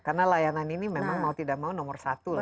karena layanan ini memang mau tidak mau nomor satu lah ya